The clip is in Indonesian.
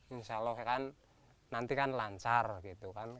insya allah ya kan nanti kan lancar gitu kan